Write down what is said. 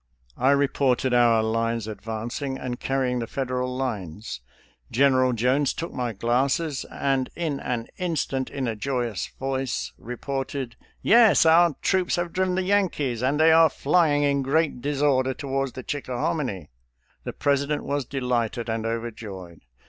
I reported our lines advancing and carrying the Federal lines. General Jones took my glasses and in an instant, in a joyous voice, reported, ' Yes, our troops have driven the Yankees, and they are fiying in great disorder towards the Chickahominy.' " The President was delighted and overjoyed.